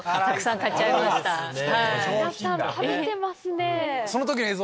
皆さん食べてますね。